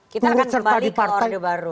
kita akan kembali ke orde baru